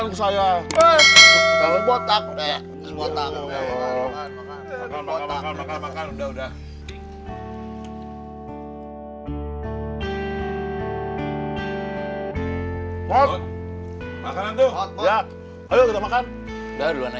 udah duluan aja om gapapa tadi abis makan belum lapar